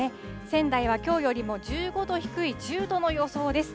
仙台はきょうよりも１５度低い１０度の予想です。